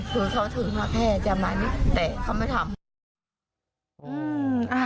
คือเขาถือมาแค่จะปล่อยแบบนี้แต่เขาไม่ทำ